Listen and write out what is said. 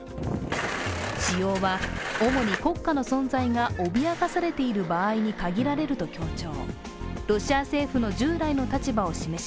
使用は主に国家の存在が脅かされている場合に限られると強調。